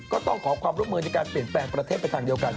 ก็ต้องขอความร่วมมือในการเปลี่ยนแปลงประเทศไปทางเดียวกัน